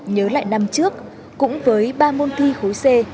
nhớ lại năm trước cũng với ba môn thi khối c